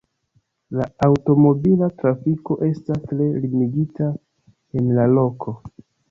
La aŭtomobila trafiko estas tre limigita en la loko.